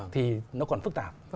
thì nó còn phức tạp